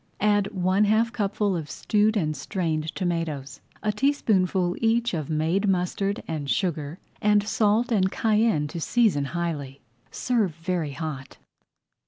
Add one half cupful of stewed and strained tomatoes, a teaspoonful each of made mustard and sugar, and salt and cayenne to season highly. Serve very hot.